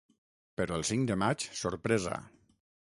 Però el cinc de maig, sorpresa.